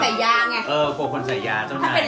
ถ้าเป็นอะไรพี่ชายก็เป็นก่อนละกันค่ะ